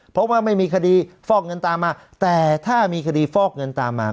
เพราะว่าไม่มีคดีฟอกเงินตามมาแต่ถ้ามีคดีฟอกเงินตามมา